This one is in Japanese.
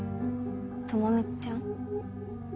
朋美ちゃん？